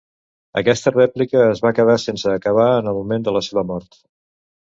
Aquesta rèplica es va quedar sense acabar en el moment de la seva mort.